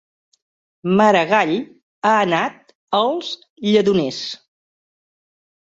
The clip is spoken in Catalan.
Maragall ha anat als Lledoners